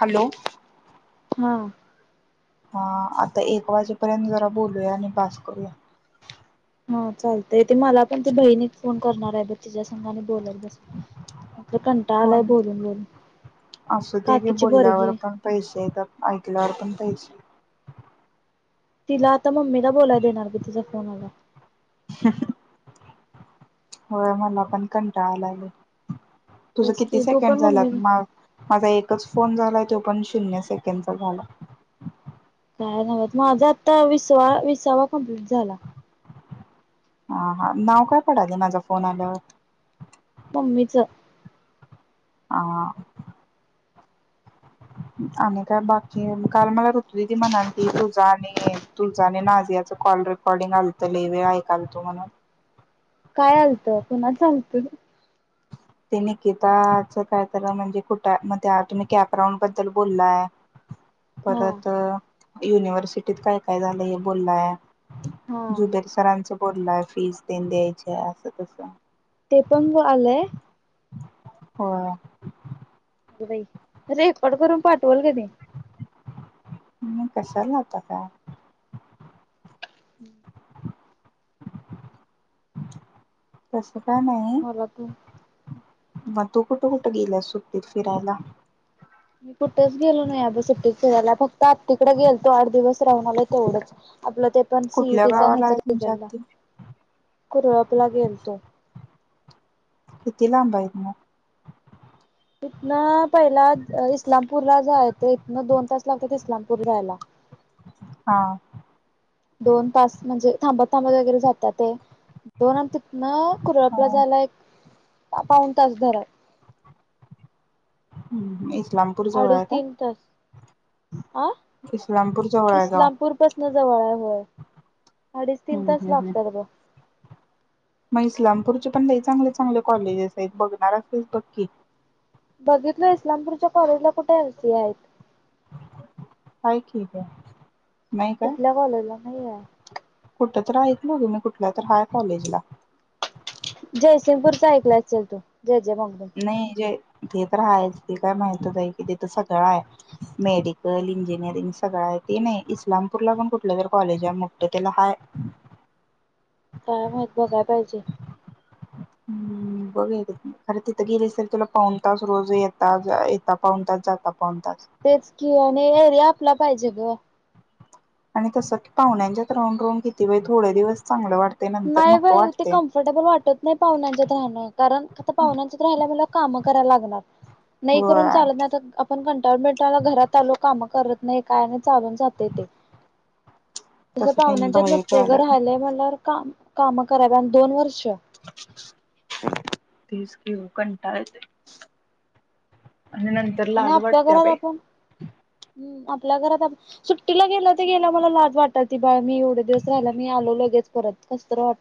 Hello, हा. हा आता एक वाजेपर्यंत जरा बोलूया आणि बास करूया. हा चालतय. ते मला पण ती बहिणी फोन करणार आहे बघ तिच्या संघाने बोलत बसू. [inaudible] कंटाळा आलाय पण बोलून बोलून. असू दे की काकीची बोलल्यावर पोरगी पण पैसे येतात. ऐकल्यावर पण पैसे तिला आता मम्मीला बोलाय देणार ग तुझ्या फोनला. [unintelligible] होय, मला पण कंटाळा आलाय गं. तुझं तेच किती की तू सेकंड पण झाला? मम्मी मा माझा एकच फोन झालाय तो पण शून्य सेकंडचा झाला. काय नवत माझा आता विसवा विसावा कंप्लीट झाला. हा हा नाव काय पडाले माझा फोन आल्यावर? मम्मीच. हां. आणि काय बाकी काल मला ऋतुदिदी म्हणाली तुजा आणि तुझं आणि नाझियाच कॉल रेकॉर्डिंग आलत लई वेळ ऐकालतो म्हणून. काय आलत? कोणाच आलत? ते निकिताच काय तर म्हणजे कुठे मध्ये तुम्ही कॅपराऊंड बद्दल बोललाय. हा परत युनिव्हर्सिटीत काय काय झालंय हे बोललाय. हा जुबेर सरांचं बोललाय फीज देन द्यायची आहे असं तसं. ते पंग आलंय? होय. अगं बाई! रेकॉर्ड करून पाठवाल कधी? म कशाला होता का? हं. तसं काय नाही, मला तू मग तू कुठं कुठं गेलास सुट्टीत फिरायला? मी कुठेच गेलो नाही अगं सुटीत फिरायला. फक्त आत्याकडे गेलतो आठ दिवस राहून आलो तेवढंच. आपलं ते पण कुठल्या सीईटीचा न गावाला हेचा आहे तुमच्या रिझल्ट आत्ती कुरळपला गेलतो. किती लांब आहे मग? इथन पहिला इस्लामपूरला जायेत इथन दोन तास लागतात इस्लामपूर जायला. हा दोन तास म्हणजे थांबत थांबत वगैरे जातात ते दोन तिथनं कुरपला जायला एक पाऊन तास धर हम् इस्लामपूर जवळ आहे का हा इस्लामपूर जवळ आहे गाव इस्लामपूर पाासन जवळ आहे होय अडीच तीन हम्म तास हम्म हम्म लागतात ग मग इस्लामपूरचे पण काही चांगले चांगले कॉलेजेस आहेत बघणार असलीस बक्की बघितलं इस्लामपूरच्या कॉलेजला कुठे एल सी आहेत हाय ठीक आहे कुठल्या कॉलेजला नाही आहे तत्र ऐकल तु मी कुठल्या तर हाय कॉलेजला जयसिंगपूरचा ऐकला असेल तू जय जय मगदूम नाही जे ते तर आहे काय माहित आहे कि तेिथ सगळं आहे मेडिकल इंजिनिअरिंग सगळं आहे ते नाही इस्लामपूरला पण कुठलं तररी कॉलेज आहे मुठतं त्याला हाय काय माहत बघाय पाहिजे हम्म बघ खर तिथं गेली असेल तुला पाऊन तास रोज येता येता पाऊन तास जाता पाऊन तास तेच की आणि हेर आपला पाहिजे ग आणि तसं की पाहुण्यांच्यात राऊंड रांड किती बाई थोड दिवस चांगलं वाट नाही बा ते कम्फर्टेबल वाटत नाही पाहुनांच्यात राहणं कारण आता पाहुनांच्यात राहायला मला काम करा लागणार नाही होय करून चाल आपण कंटाे घात आलो काम नाही काय नाही चालून जात ते तस तसं तेन पाहुण्यांच्या बाहेर नसते ग जायला राहिले म्ह का काम करा आणि दोन वर्ष तसकी होकंटायते आणि आप घरा आपण घरात सुट्टीला गेला तर गेला मला लाज वाटत ती बा मी एवढे दिवस राहायला मी आलो लगेच त कस वा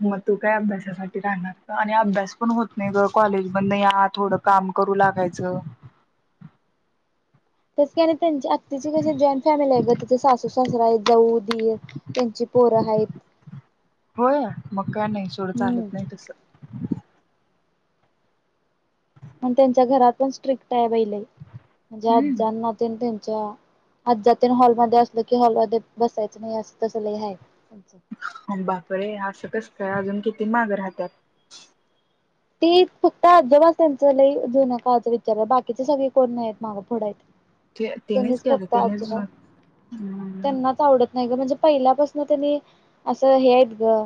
मग तू काय अभ्यासासाठी राहणार आणि अभ्यास पण होत नाही ग कॉलेज मध नाही आ थोडं काम करू लागायचं [inaudible] तस काय नाही त्यांचे आत्ताची क जॉईंट फॅमिली आहे ग त्यां सासू सासरा आहे जाऊ की त्यांची पोर आहेत होय मग काय नाही सोडं हम्म चालत नाही तस म त्यांच्या घरात पण स्ट्रिक्ट आहे बहिला म्हणजे अजजां हम्म ना आातन हॉलमध्येध्ये असल की हॉलमध्येध्ये बसायच नाही अस तस ल आहे अं बाप रे असं कसतय अजून किती माग राहतात तेी फक्त अजोबाास त्यांचं लय जुन काचं विचारलं बाकीचे सगळे कोण नाही माग पुोड आहेत ते तिनेच त्यांनीच केलं फक्त आज तिनेच हम्म त्यांनाच आवडत नाही ग म्हणजे पहिल्यापासन त्यांनी असं हे आहेत ग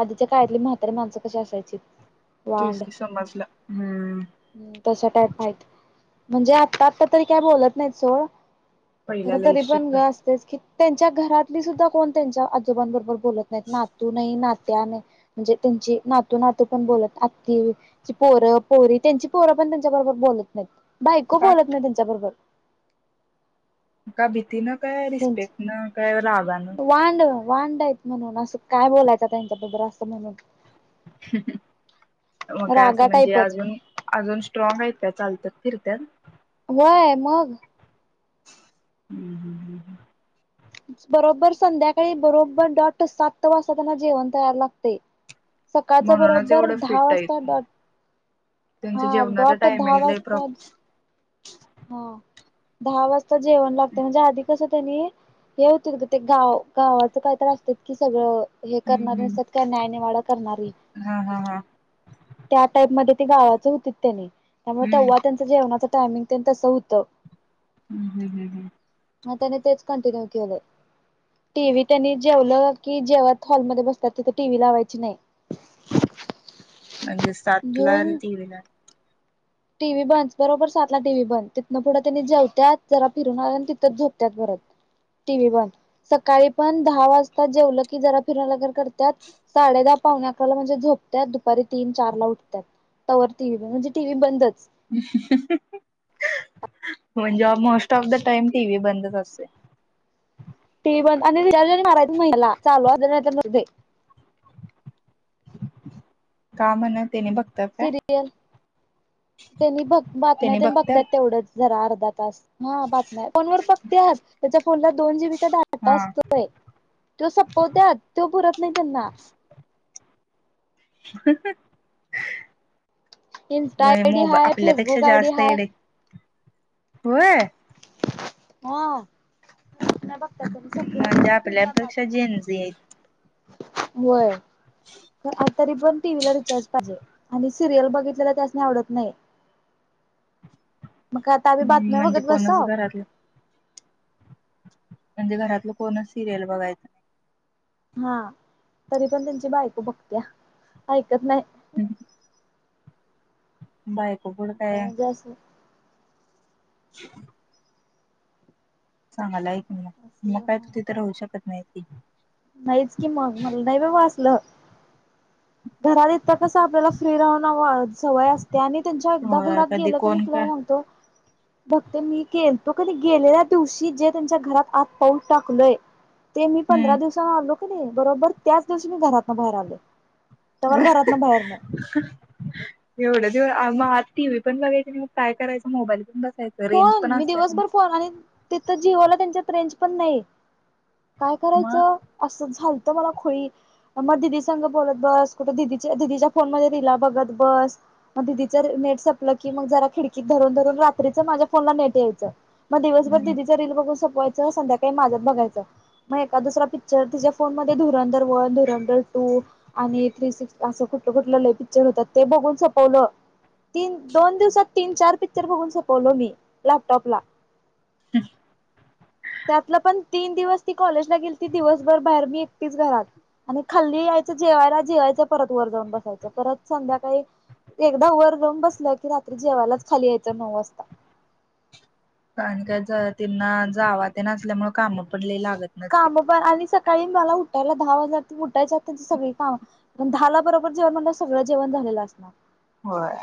आधीच्या काळातली म्हातारी माणसं कशी असा तेच की समजलं हम्म तस टाईप आहेत म्हणजे आत्ता आता तरी काय बोलत नाही सोड पहिला खर लय तरी पण ग स्ट्रिक्ट असतेच की त्यांच्या घरातली सुद्धा कोण त्यांच्या आजोबांबरोबर बोलत नाहीत नातू नाही नाू त्या म्हणजे त्यांची नातू नातू पण बोलत कि पोरं पोरी त्यांची पोरं पण त्यांच्या बरोबर बोलत नाहीत बाऐको का बोलत नाही त्यांच्याबरोबर का भीती न काय त्यांची रिस्पेक्ट न काय रागानं वांडायेत म्हणून असं काय बोलायचं त्यांच्याबद्दल असं म्हणून मग काय असं रागा म्हणजे टाईपच अजून अजून स्ट्रॉग आहेत का चालत फर तर वय मग हम्म हम्म हम्म हम्म बरोबर संध्याकाळी बरोबर द सात वाजता त्यांना जेवण तयार लागते सकाळचं म्हणूनच बरोबर एवढं दहा फिट आहेत वाजता डॉट त्यांचा हा जेवणाचा डॉट टाइम दहा येलय वाजता प्रॉप हा दहा वाजता जेवण लागते म्हणजे आधी कस नी हे होत ग ते गाव गावाच काहीत असतात की सगळं हे हम्म करणारे हम्म असतात का न्यायनेवाड करणारी हा हा हा हम्म त्या टाईप म गावाच होतीच त्यानी त्यामुळे तेव्हा त्यांच जेवणाचं टायमिंग त्यां तसं होतं हम्म हम्म हम्म हम्म. म त्यांनी तेच कटिन्यू कले टीव्ही त्यांनी जेवलं की जेव्हा हॉलमध्येध्ये बसतात तिथे टीव्ही लावायची नाही [inaudible] म्हणजे सात ला घेऊन ती वला टीव्ही बंद बरोबर सातला टीव्ही बंद तिथनं पुढं त्यांनी जेवत्यात जरा फिरून आल्या तिथं झोपत्यात परत टीव्ही बंद सकाळी पण दहा वाजता जेवलं की जरा फिर लगन करतात साडे दहा पा अकराेत दुपारी तीन चार ला उतवर म्हणेीव्ही बंदच [inaudible] म्हणजे most of the time T V बंदच असते पॅक मारायचं तेला चालू असुदे किव्हा नसूदे का म्हन तेनी बघतात काय सिरियल बघ बातम्या त्यांनी तेन बघतात बघत्यात तेवढंच जरा अर्धा तास हा बातम्या फोन वर बगत्यात त्याच्या फोनला दोन जीबीचा डाटा हा असतोय त सपपवत्या त भरत नाही त्यांना [inaudible] इन्स्टा आय डी मो हाय आपल्यापेक्षा फेसबुक आय डी जास्त हाय येडे होय हबा [inaudible] म्हणजे आपल्यापेक्षा जेन्स य होय प आ तरी पण टी वहीला रिचार् पाहिजे आणि सिरियल बघितलेला त्याच नाही आवडत नाही मग आता आमी हम्म, बातम्या म्हणजे बघत बसा. कोणच घरातलं म्हणजे घरातलं कोण सिरियल बघायचं नाही. हा तरी पण त्यांची बायको बघत्या ऐक कत नाही. बायको कड असं काय? म्हणजे असं [inaudible] चगाला आहेी मग मग असं काय तू तिथं राहू शकत नाही की नाहीच कि मग मला नाही बाबा असल. घराले त्या कस आपल्याला फ्री राहून सवय असते आणि त्यांच्या हो एकदा घरात कधी गेलं क कोण तुला का सांगतो. बघते मी गेलतो कि नाई कधी गेलेल्या दिवशी जे त्यांच्या घरात आत पाऊल टाकलंय. ते मी पंधरा हम्म दिवसांना आलो की नाही बरोबर त्याच दिवशी मी घरातन बाहेर आलले. त्यावर घरात ना बाहेर नाही. एवढं दिव मग टी वही पण बघायं मग पय करायचं मोबाईल पण बस. फोन मी दिवसभर फोन आणि तिथ जिओला त्यांच्यात रेंज पण नाही. काय मग करायचं असं झाल. मला खोई मग दिदी संघ बोलत बस कुठंदीच्या दिदीच्या फोन मध्ये रीला बघत बस. मग दिदीच नेट सपलं की मग जरा खिडकीत धरून धरून रात्रीचं माझ्या फोनला नेट यायचं मग दिवसभर दिदीच रील बघून सोपवायचं संध्याकाळी माझ्याात बघायचं. मग एका दुसरा पिक्चर तिच्या फोन मध्ये धुरंधर वन धुरंंदर टू आणि थ्री सिक्स अस. कुठलं कुठलं लय पिक्चर होतात ते बघून संपवलं. तीन दोन दिवसात तीन चार पिक्चर बघून सोपवलो मी लॅपटॉपला हम. त्यातल पण तीन दिवस ती कॉलेजला गेली ती दिवसभर बाहेर मी एकटीच घरात. आणि खाल्ली यायचं जेवायला जेवायचं परत वर जाऊन बसायचं परत संध्याकाळी एकदा वर जाऊन बसल की रात्री जेवायलाच खाली यायचं नऊ वाजता. ण काय त्यांना जावा ते आसल्यामुळ काम पडले लाग. काम प आली सक ताई मला उठायला दहा वाजलं उठायचा त्यांची सगळी कामण दहाला बरोबर जेवण मला सगळ जेवण झालं. दिला अस ना. होय!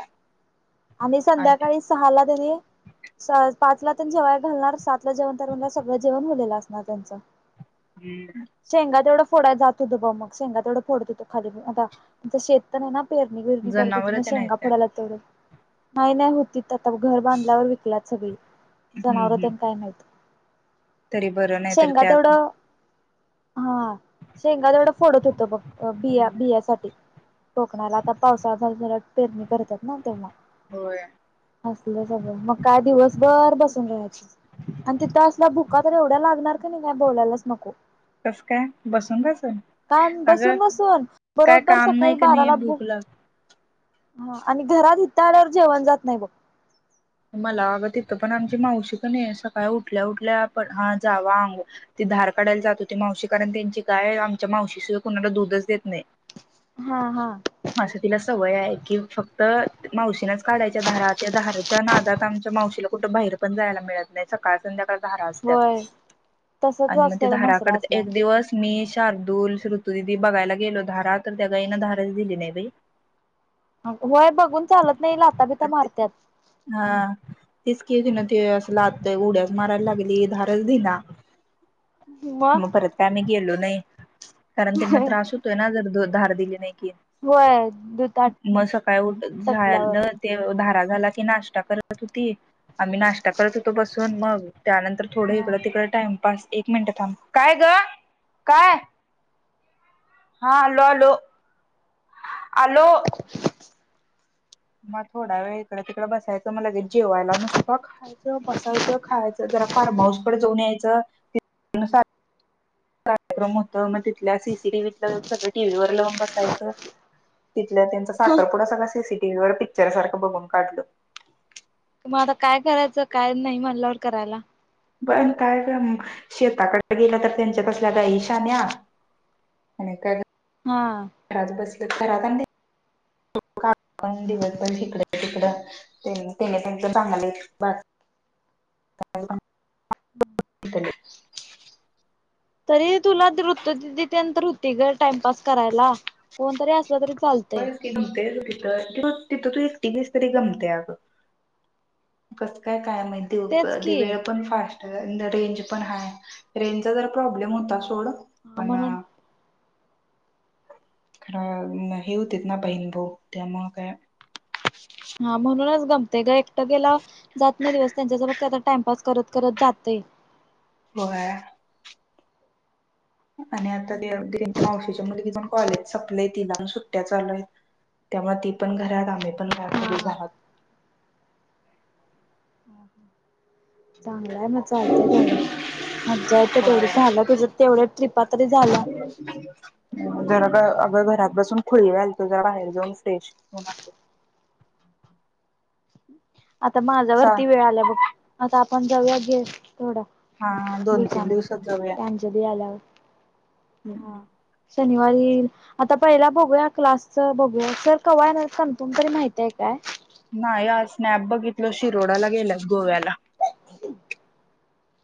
आणि संध्याकाळी सहाला तरी पाचला त्यांनी जेवया घालणार सात जेवण तर सगळं जेवण झालेलं असणार त्यांचा हम्म शेंगावढं फोडाला जात होत ब मग शेंगा तेवढं फोडत होत खाली आता शेत नाही ना खूप पेरणी बिरनी करत होते जनावर ना ते नाही शेंगा त्या पडायला तेवढं. नाही नाही होती आता घर बांधल्यावर विकला सगळी जनावर हम्म त्यांना काय मिळत. तरी बरं नाहीत त्यात हा शेंगा तेवढं फोडत होत बघ बिया बियासाठी. कोकणाला आता पावसा झारझरट पेरणी करतात ना तेव्हा. होय असलं सगळं मग काय दिवस बर बसून राहायची आणि तिथं असल्या भुका तर एवढ्या लागणार, का नाही ना काय बोलायलाच नको. कस काय बसून बसून! कायम अगं बसून बसून काय बरोबर काम सकाळी नाही का बारा नाही ला भूक लाग हा आणि घरात इथं आल्यावर जेवण जात नाही बघ. मला अगं तिथं पण आमची मावशिक नाही सकाळ उठल्या उठल्या पण हा जावा अंग धार काढायला जात होती मावशी कारण, त्यांची गाय आमच्या मावशी शिवाय कुणाला दूधच देत नाही. हा हा माझा तिला सवय आहे. की फक्त मावशीनच काढायच्या दधारा त्या दारात च्या नादात आमच्या मावशीला कुठे बाहेर पण जायला मिळत नाही. सकाळ संध्याकाळ धारा असत्यात होय तसच आणि मग असतंय बघ म्हसरा धराकड एक असल्यावर. दिवस मी शार्दुल, श्रुतुदीदी बघायला गेलो धारा तर त्या गाईन धाराच दिली नाही बाई. होय बघून चालत नाही लाता बिता मारत्यात. हा तीच केली ना ते अस लात उड्याच मारायला लागली धारच दिना मग परत का आम्ही गेलो नाही, कारण त्यांना त्रास होतोय ना जर दुध! धार दिली नाही की, होय दुधात मग सकाळी उठ तटल्यावर झालं ते धारा झाला की नाश्ता करतच होती. आम्ही नाश्ता करत होतो बसून मग त्यानंतर थोडं हा. इकड तिकड टाइमपास एक मिनिट थांब काय ग काय? हा आलो आलो आलो! [inaudible] मग थोडा वेळ इकडं तिकडं बसायचं म लगेच जेवायला नुसतं खायचं बसायचं खायचं. जरा फार्महाऊस कडे जाऊन यायचं, तीतून सात कार्यक्रम होत मग तिथल्या सीसीटीव्हीतलं सगळं टीव्हीवर लोवून बसायचं. तिथल्या त्यांचा साखरपुुढा सगळ सीसीटीव्हीवर पिक्चर सारखं बघून काढल. मग आता काय करायचं काय नाही म्हणण्यावर करायला. पण काय का शेताकडे गेलं तर त्यांच्यात केल्या गाई शान्या! आणि काय ग! हा घरांत का दिवसभर इकडं तिकड त्याने त्यांच चांगले हम्म तरी तुला वृत्त त्या नंतर होती ग टाइमपास करायला कोणतरी अस ब तिथ क तिथं तू एक तरी गमते अग कस काय काय तेच की माहि वेळ पण फास् रेंज पण हाय रेंजचा जर प्रॉब्लेम होता सोड--! ह म्हणून खराब नाही. हे होते ना बहीणभऊ त्यामुळ काय, हा म्हणूनच गमते ग एकटं गेला जात नाही दिवस त्यांच्यासोबत टाइमपास करत करत जात [inaudible] य. होय. आणि आता ते मावशीच्या मुलगीच पण कॉलेज संपलय, तिला सुट्ट्या चालूय त्यामुळे ती पण घरात आम्ही पण का घरी हा झालत चांगला आहे मग चालतय तेवढं मज्जा येत तेवढ होय. झालं तुझं तेवढ्या ट्रिप तरी झाल्या. अग घरात बसून खुळी झालतो जरा बाहेर जाऊन फ्रेश होऊन, आता माझ्या चा वरती वेळ आल्या बघ आता आपण जाऊया घे थोड हा दोन तीन दिवसात दिवसांनी ती अंजली आल्यावर हम्म् हा शनिवारी आता पहिला बघूया क्लासच बघूया सर कवा येणार आहेत कंमफार्म तरी माहीती आहे काय? नाही आज स्नॅप बघितलो शिरोडाला गेला गोव्याला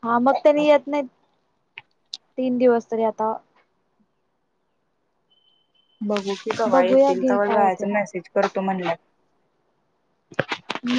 हा मग त्यांनी येत नाही. तीन दिवस तरी आता बघू कीकवा बघूया येतील घे तेव्हा काय होते जायचं मेसेज कर त म्हणल्यात